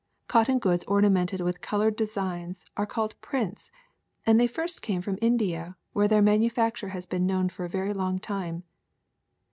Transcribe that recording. Cotton goods ornamented with colored designs are called prints, and they first came from India, where their manufacture has been known for a very long time.